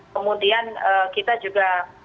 kemudian kita juga